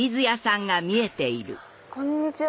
こんにちは。